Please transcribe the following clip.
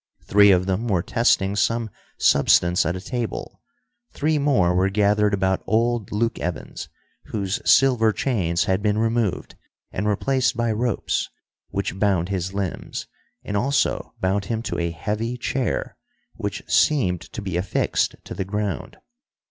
Three of them were testing some substance at a table; three more were gathered about old Luke Evans, whose silver chains had been removed and replaced by ropes, which bound his limbs, and also bound him to a heavy chair, which seemed to be affixed to the ground.